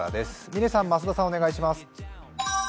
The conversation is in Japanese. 嶺さん、増田さん、お願いします。